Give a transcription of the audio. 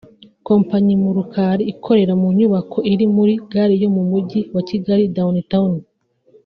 Kompanyi Murukali ikorera mu nyubako iri muri gare yo mu mujyi wa Kigali (Downtown)